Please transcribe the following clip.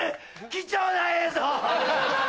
貴重な映像！